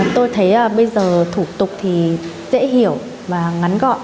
tôi thấy bây giờ thủ tục thì dễ hiểu và ngắn gọn